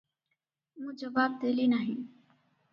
ମୁଁ ଜବାବ ଦେଲି ନାହିଁ ।